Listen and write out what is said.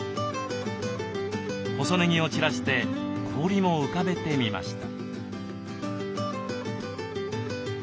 細ねぎを散らして氷も浮かべてみました。